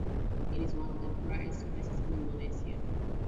It is one of the driest places in Indonesia.